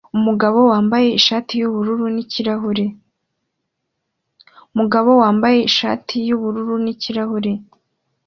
Umugabo wambaye ishati yubururu nikirahure